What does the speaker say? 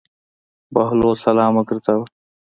بهلول سلام وګرځاوه.